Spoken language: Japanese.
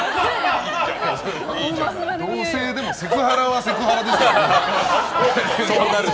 同性でもセクハラはセクハラですからね。